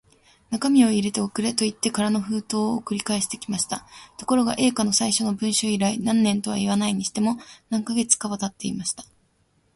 中身を入れて送れ、といって空の封筒を送り返してきました。ところが、Ａ 課の最初の文書以来、何年とはいわないにしても、何カ月かはたっていました。